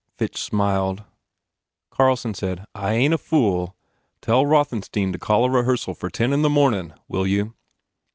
Fitch smiled. Carlson said, "I ain t a fool. Tell Rothen stein to call a rehearsal for ten in the mornin , will you."